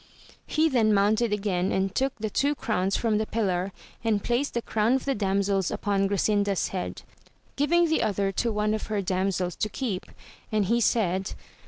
He then mounted again and took the two crowns from the pillar, and placed the crown of the damsels upon Grasinda's head, giving the other to one of her damsels to keep, and he said.